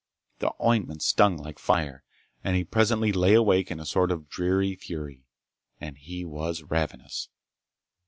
The ointment stung like fire, and he presently lay awake in a sort of dreary fury. And he was ravenous!